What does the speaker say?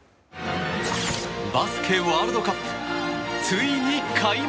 バスケワールドカップついに開幕！